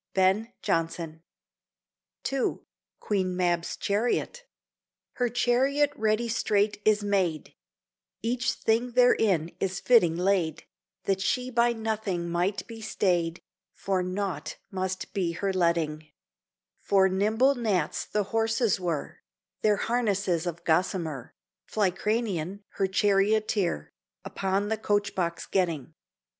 Ben Jonson II QUEEN MAB'S CHARIOT Her chariot ready straight is made; Each thing therein is fitting laid, That she by nothing might be stayed, For nought must be her letting: Four nimble gnats the horses were, Their harnesses of gossamer, Fly Cranion, her charioteer, Upon the coach box getting.